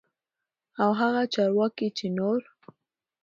او هغه چارواکي چې نور